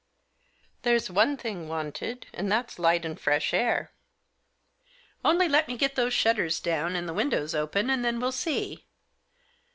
"There's one thing wanted, and that's light and fresh air. Only let me get those shutters down, and the window open, and then we'll see.